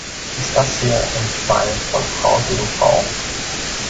Ist das hier ein Fall von Frau gegen Frau?